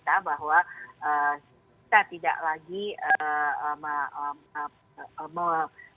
dalam hal penggunaan masker di ruang terbuka itu kita lebih baca himbauan untuk kesadaran masyarakat